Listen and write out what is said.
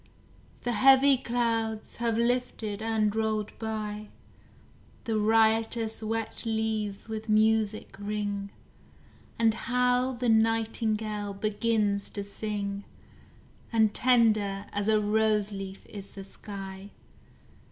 The heavy clouds have lifted and rolled by; The riotous wet leaves with music ring, And now the nightingale begins to sing, And tender as a rose leaf is the sky.